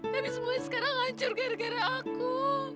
tapi semuanya sekarang lancar gara gara aku